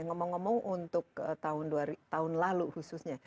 ngomong ngomong untuk tahun dua tahun lalu khususnya